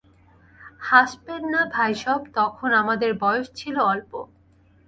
হাসবেন না ভাইসব, তখন আমাদের বয়স ছিল অল্প।